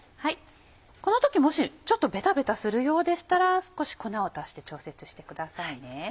この時もしちょっとベタベタするようでしたら少し粉を足して調節してくださいね。